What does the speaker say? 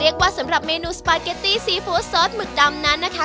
สำหรับเมนูสปาเกตตี้ซีฟู้ดซอสหมึกดำนั้นนะคะ